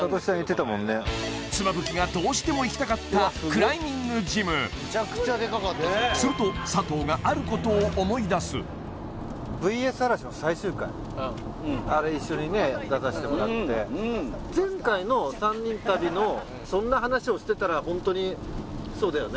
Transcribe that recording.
妻夫木がどうしても行きたかったクライミングジムするとあれ一緒にね出さしてもらって前回の３人旅のそんな話をしてたらホントにそうだよね